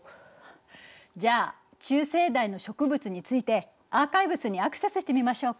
じゃあ中生代の植物についてアーカイブスにアクセスしてみましょうか。